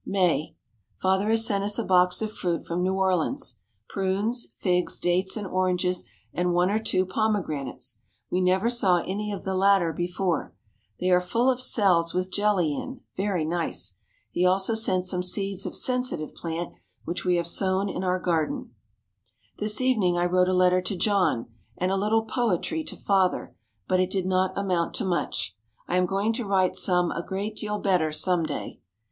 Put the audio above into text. May. Father has sent us a box of fruit from New Orleans. Prunes, figs, dates and oranges, and one or two pomegranates. We never saw any of the latter before. They are full of cells with jelly in, very nice. He also sent some seeds of sensitive plant, which we have sown in our garden. This evening I wrote a letter to John and a little "poetry" to Father, but it did not amount to much. I am going to write some a great deal better some day.